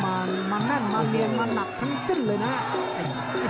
มานั่นมาเนียนมาหนักทั้งสิ้นเลยนะ